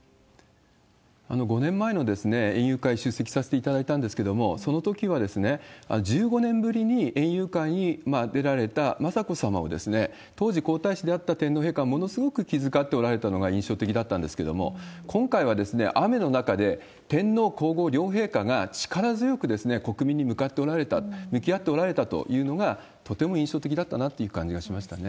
５年前の園遊会出席させていただいたんですけれども、そのときは１５年ぶりに園遊会に出られた雅子さまを、当時皇太子であった天皇陛下がものすごく気遣っておられたのが印象的だったんですけれども、今回は雨の中で、天皇皇后両陛下が力強く国民に向かっておられた、向き合っておられたというのが、とても印象的だったなという感じがしましたね。